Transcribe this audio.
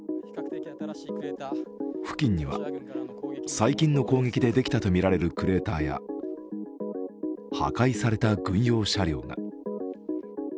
付近には、最近の攻撃でできたとみられるクレーターや破壊された軍用車両が。